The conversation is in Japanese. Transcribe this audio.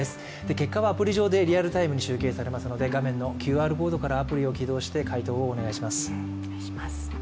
結果はアプリ上でリアルタイムに集計されますので、画面のＱＲコードからアプリを起動して回答をお願いします。